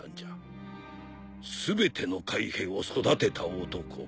全ての海兵を育てた男。